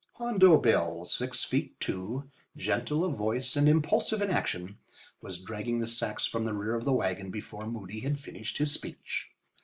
Hondo Bill, six feet two, gentle of voice and impulsive in action, was dragging the sacks from the rear of the wagon before Moody had finished his speech.